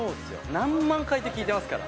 何万回と聴いてますから。